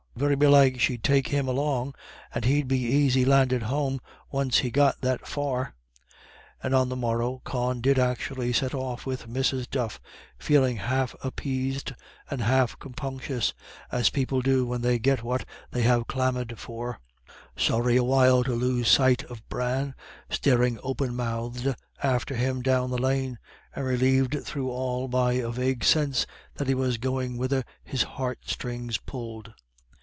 Very belike she'd take him along; and he'd be aisy landed home, once he'd got that far." And on the morrow Con did actually set off with Mrs. Duff, feeling half appeased and half compunctious, as people do when they get what they have clamoured for; sorry a little to lose sight of Bran, staring open mouthed after him down the lane; and relieved through all by a vague sense that he was going whither his heart strings pulled.